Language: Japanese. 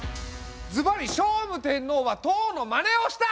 ズバリ聖武天皇は唐のまねをした！